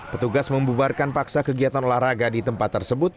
petugas membubarkan paksa kegiatan olahraga di tempat tersebut